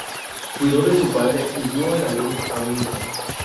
Cuidó de su padre y dio a luz a un hijo.